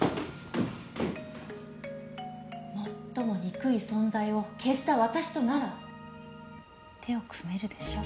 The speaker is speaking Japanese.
最も憎い存在を消した私となら手を組めるでしょ？